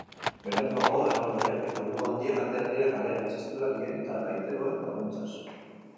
Beranduago, erraldoiak eta buruhandiak atera dira kalera, txistularien eta gaiteroen laguntzaz.